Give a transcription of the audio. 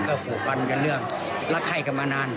ก็ผูกพันกันเรื่องรักไข้กันมานาน